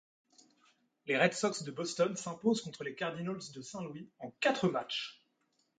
Les Red Sox de Boston s'imposent contre les Cardinals de Saint-Louis en quatre matches.